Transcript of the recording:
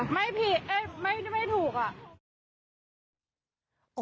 ไม่ผิดไม่ถูกอะ